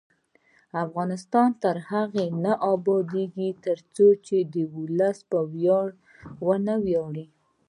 افغانستان تر هغو نه ابادیږي، ترڅو د ولس په ویاړ ونه ویاړو.